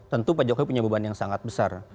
tentu pak jokowi punya beban yang sangat besar